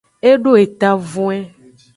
E do etavwen.